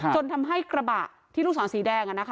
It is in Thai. จนทำให้กระบะที่ลูกศวรรษีแดงอะนะคะ